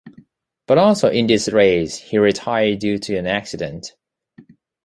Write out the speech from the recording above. But also in this race he retired due to an accident.